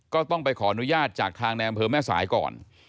ก็ต้องไปขออนุญาตจากทางในอำเภอแม่สายก่อน